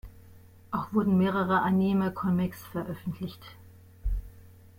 Auch wurden mehrere Anime-Comics veröffentlicht.